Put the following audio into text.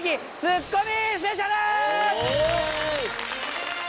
イエーイ！